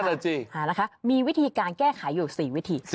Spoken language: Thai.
นั่นแหละจริงมีวิธีการแก้ไขอยู่๔วิธี